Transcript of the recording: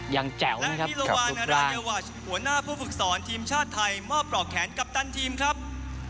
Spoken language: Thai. ๓๖ยังแจ๋วนะครับกับฟุตบอล